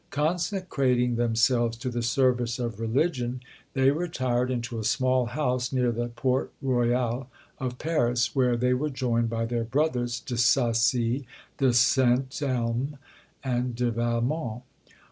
Consecrating themselves to the service of religion, they retired into a small house near the Port Royal of Paris, where they were joined by their brothers De Sacy, De St. Elme, and De Valmont.